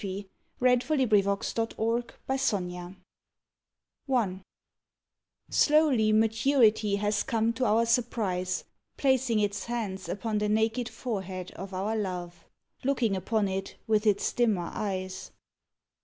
"Sun lit Hours," "Hours of Afternoon" AFTERNOON I Slowly maturity has come to our surprise, Placing its hands upon the naked forehead of our love, Looking upon it with its dimmer eyes.